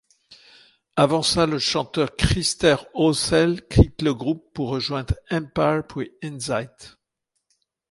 Avant ça, le chanteur Christer Åsell quitte le groupe pour rejoindre Empire puis Inzight.